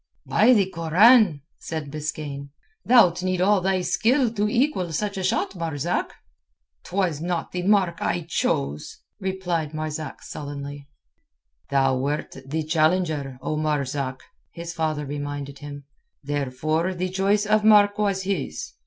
"By the Koran," said Biskaine, "thou'lt need all thy skill to equal such a shot, Marzak." "'Twas not the mark I chose," replied Marzak sullenly. "Thou wert the challenger, O Marzak," his father reminded him. "Therefore the choice of mark was his.